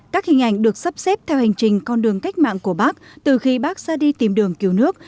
các hình ảnh được sắp xếp theo hành trình con đường cách mạng của bác từ khi bác ra đi tìm đường cứu nước